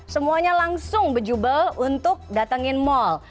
semuanya langsung bejubel untuk datengin mall